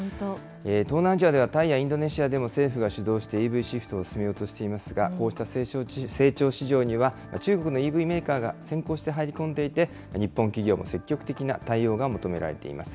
東南アジアではタイやインドネシアでも政府が主導してＥＶシフトを進めようとしていますが、こうした成長市場には中国のＥＶメーカーが先行して入り込んでいて、日本企業も積極的な対応が求められています。